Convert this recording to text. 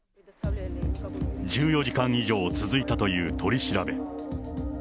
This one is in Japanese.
１４時間以上続いたという取り調べ。